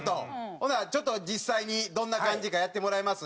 ほなちょっと実際にどんな感じかやってもらえます？